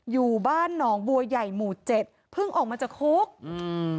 อยู่บ้านหนองบัวใหญ่หมู่เจ็ดเพิ่งออกมาจากคุกอืม